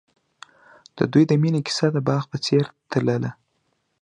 د دوی د مینې کیسه د باغ په څېر تلله.